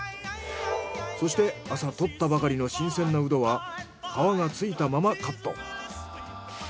そして朝採ったばかりの新鮮なうどは皮がついたままカット。